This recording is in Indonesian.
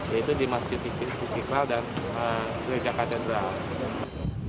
yaitu di masjid istiqlal dan ketua jakarta jenderal